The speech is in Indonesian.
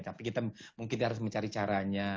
tapi kita mungkin harus mencari caranya